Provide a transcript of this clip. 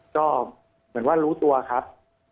ก็เหมือนว่ารู้ตัวครับ